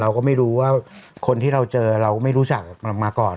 เราก็ไม่รู้ว่าคนที่เราเจอเราไม่รู้จักมาก่อน